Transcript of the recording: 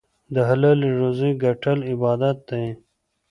د حلالې روزۍ ګټل عبادت دی.